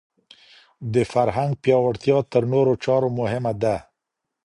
د فرهنګ پياوړتيا تر نورو چارو مهمه ده.